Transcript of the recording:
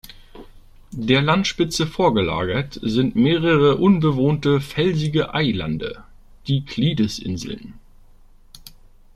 Der Landspitze vorgelagert sind mehrere unbewohnte felsige Eilande, die Klides-Inseln.